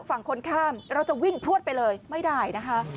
ฝั่งคนข้ามเราจะวิ่งพลวดไปเลยไม่ได้นะคะ